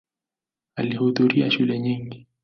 Alihudhuria shule nyingi.